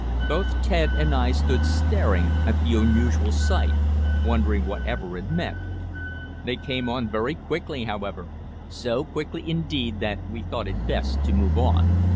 "Both Ted and I stood staring at the unusual sight, wondering whatever it meant. They came on very quickly, however so quickly, indeed, that we thought it best to move on.